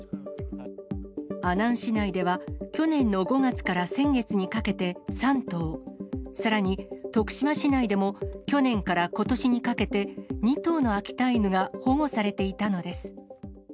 阿南市内では、去年の５月から先月にかけて３頭、さらに徳島市内でも去年からことしにかけて、２頭の秋田犬が保護されていたのです。